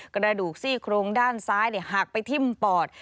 กระดูกซี่โครงด้านซ้ายหักไปทิ้มปอด